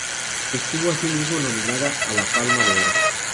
Estuvo asimismo nominada a la Palma de oro.